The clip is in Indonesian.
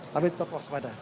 tapi tetap waspada